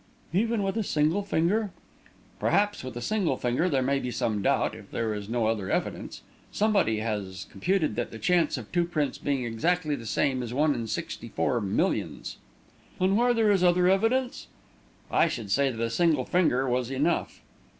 "Even with a single finger?" "Perhaps with a single finger there may be some doubt, if there is no other evidence. Somebody has computed that the chance of two prints being exactly the same is one in sixty four millions." "And where there is other evidence?" "I should say that a single finger was enough."